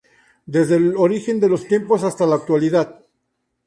Desde el origen de los tiempos hasta la actualidad.